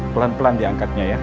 pelan pelan diangkatnya ya